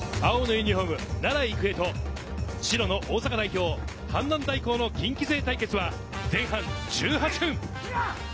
青のユニホーム、奈良育英と白の大阪代表・阪南大高の近畿勢対決は前半１８分。